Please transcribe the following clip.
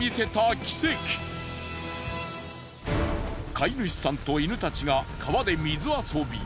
飼い主さんと犬たちが川で水遊び。